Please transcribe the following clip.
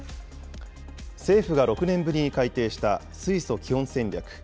政府が６年ぶりに改定した水素基本戦略。